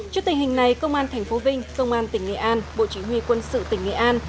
trước tình hình này công an tp vinh công an tỉnh nghệ an bộ chỉ huy quân sự tỉnh nghệ an